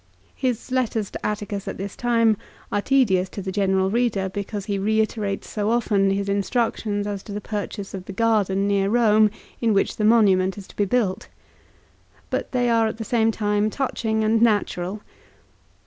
His letters to Atticus at this time are tedious to the general reader, because he reiterates so often his instructions as to the purchase of the garden near Eome, in which the monument is to be built; but they are at the same time touching and natural.